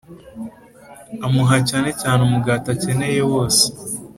amuha cyane cyane umugati akeneye wose.